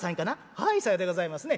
「はいさようでございますね。